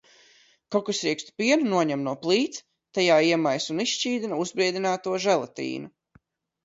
Kokosriekstu pienu noņem no plīts, tajā iemaisa un izšķīdina uzbriedināto želatīnu.